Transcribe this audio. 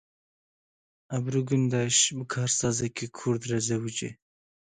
Ebru Gundeş bi karsazekî Kurd re zewicî.